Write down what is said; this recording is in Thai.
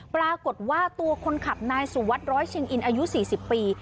ปรากฏว่าตัวคนขับนายสุวัสดิร้อยเชียงอินอายุ๔๐ปี